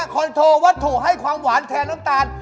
คอนโทวัตถุให้ความหวานแทนน้ำตาล